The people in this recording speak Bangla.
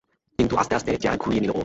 কিন্তু আস্তে আস্তে চেয়ার ঘুরিয়ে নিল ও।